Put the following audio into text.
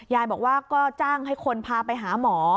ยายบอกว่าก็จ้างให้คนพาไปหาหมอ